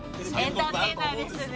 エンターテイナーですね。